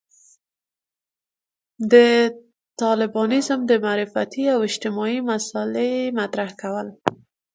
د طالبانيزم د معرفتي او اجتماعي مسألې مطرح کول.